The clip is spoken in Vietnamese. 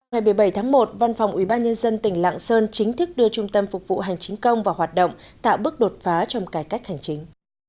ngày một mươi bảy tháng một văn phòng ủy ban nhân dân tỉnh lạng sơn chính thức đưa trung tâm phục vụ hành chính công vào hoạt động tạo bước đột phá trong cải cách hành chính